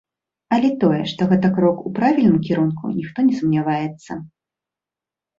Але тое, што гэта крок у правільным кірунку, ніхто не сумняваецца.